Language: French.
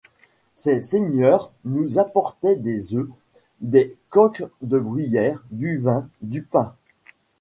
Ces seigneurs nous apportaient des oeufs, des coqs de bruyère, du vin, du pain.